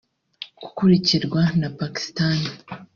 gikurikirwa na Pakistan